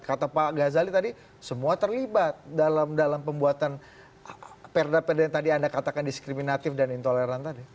kata pak ghazali tadi semua terlibat dalam pembuatan perda perda yang tadi anda katakan diskriminatif dan intoleran tadi